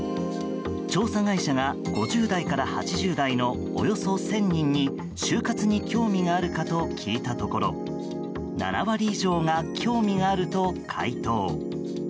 調査会社が５０代から８０代のおよそ１０００人に終活に興味があるかと聞いたところ７割以上が興味があると回答。